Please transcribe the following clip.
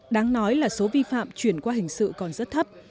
đáng nói là số vi phạm chuyển qua hình sự còn rất thấp